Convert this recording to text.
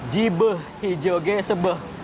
jibeuh hijauge sebeuh